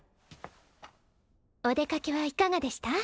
お出かけはいかがでした？